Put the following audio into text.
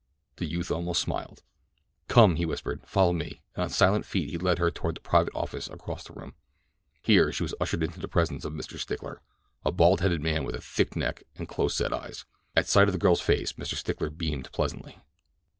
The youth almost smiled. "Come!" he whispered. "Follow me," and on silent feet he led her toward the private office across the room. Here she was ushered into the presence of Mr. Stickler—a bald headed man with a thick neck and close set eyes. At sight of the girl's face Mr. Stickler beamed pleasantly.